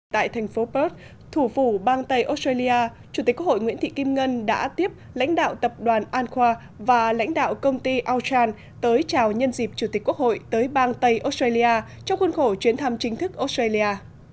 tại thành phố perth thủ phủ bang tây australia chủ tịch quốc hội nguyễn thị kim ngân đã tiếp lãnh đạo tập đoàn an khoa và lãnh đạo công ty austan tới chào nhân dịp chủ tịch quốc hội tới bang tây australia trong khuôn khổ chuyến thăm chính thức australia